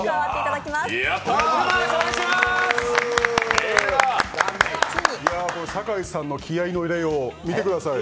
いやぁ、酒井さんの気合いの入れよう、見てください。